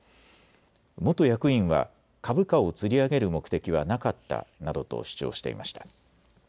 元役員は株価をつり上げる目的はなかったなどと主張していました。